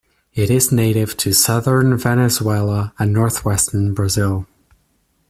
It is native to southern Venezuela and northwestern Brazil.